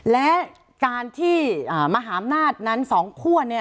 และการที่มหาอำนาจนั้น๒คั่ว